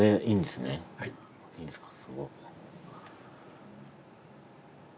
いいんですか。